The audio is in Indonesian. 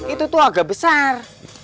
itu tuh agak besar